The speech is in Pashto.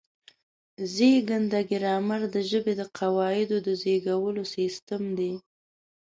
زېږنده ګرامر د ژبې د قواعدو د زېږولو سیستم دی.